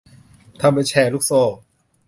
ทำเป็นแชร์ลูกโซ่